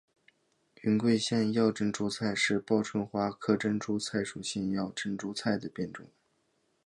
云贵腺药珍珠菜是报春花科珍珠菜属腺药珍珠菜的变种。